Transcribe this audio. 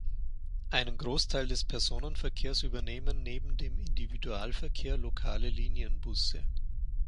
Einen Großteil des Personenverkehrs übernehmen neben dem Individualverkehr lokale Linienbusse.